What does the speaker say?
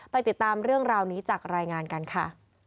ติดตามเรื่องราวนี้จากรายงานกันค่ะ